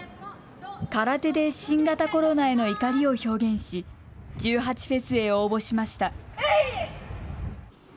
空手で新型コロナへの怒りを表現し、１８祭へ応募しました。